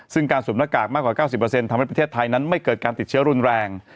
ซึ่งการสวมหน้ากากมากกว่า๙๐ทำให้ประเทศไทยนั้นไม่เกิดการติดเชื้อรุนแรง